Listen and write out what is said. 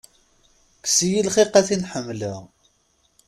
Kkes-iyi lxiq a tin ḥemmleɣ.